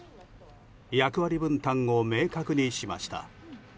役割分担を明確にしました。